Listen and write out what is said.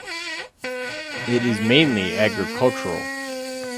It is mainly agricultural.